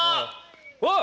わっ！